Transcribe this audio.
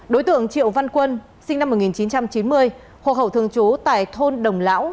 đối tượng triệu văn quân sinh năm một nghìn chín trăm chín mươi hộ khẩu thường trú tại thôn đồng lão